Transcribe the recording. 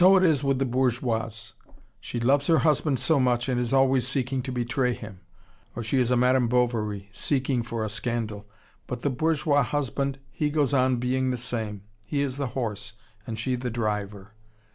So it is with the bourgeoise. She loves her husband so much, and is always seeking to betray him. Or she is a Madame Bovary, seeking for a scandal. But the bourgeois husband, he goes on being the same. He is the horse, and she the driver.